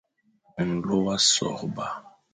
Nlô wa sôrba,